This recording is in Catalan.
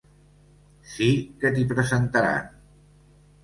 Sí que t'hi presentaran.